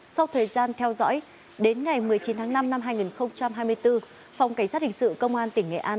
sau thời gian theo dõi đến ngày một mươi chín tháng năm năm hai nghìn hai mươi bốn phòng cảnh sát hình sự công an tỉnh nghệ an